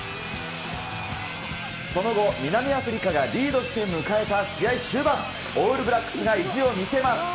その後、南アフリカがリードして迎えた試合終盤、オールブラックスが意地を見せます。